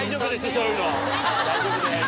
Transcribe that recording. そういうの大丈夫です。